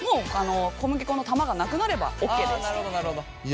小麦粉の玉がなくなればオッケーです。